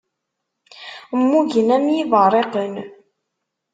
Mmugen am yiberriqen.